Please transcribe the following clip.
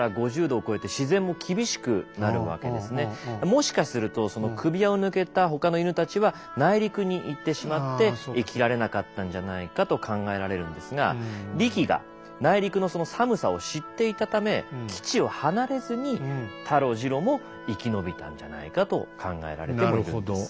もしかすると首輪を抜けた他の犬たちは内陸に行ってしまって生きられなかったんじゃないかと考えられるんですがリキが内陸のその寒さを知っていたため基地を離れずにタロジロも生き延びたんじゃないかと考えられてもいるんです。